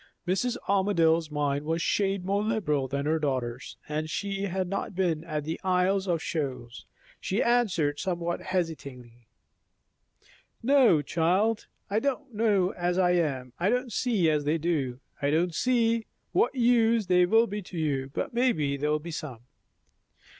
Mrs. Armadale's mind was a shade more liberal than her daughter's, and she had not been at the Isles of Shoals. She answered somewhat hesitatingly, "No, child I don't know as I am. I don't see as they do. I don't see what use they will be to you; but maybe they'll be some."